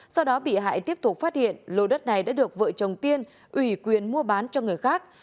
sau đó bị hại tiếp tục phát hiện lô đất này đã được vợ chồng tiên ủy quyền mua bán cho người khác